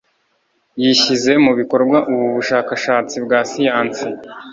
Yishyize mu bikorwa ubu bushakashatsi bwa siyansi.